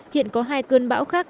hiện có hai cơn bão khác